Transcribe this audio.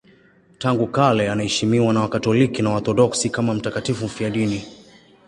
Tangu kale anaheshimiwa na Wakatoliki na Waorthodoksi kama mtakatifu mfiadini.